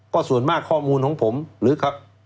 ก็ส่วนมากข้อมูลของผมหรือครับ